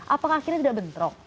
apakah akhirnya tidak bentrok